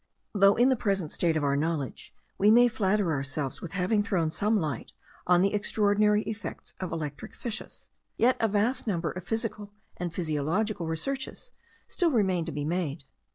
Though in the present state of our knowledge we may flatter ourselves with having thrown some light on the extraordinary effects of electric fishes, yet a vast number of physical and physiological researches still remain to be made.